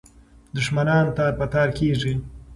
دښمنان تار په تار کېږي.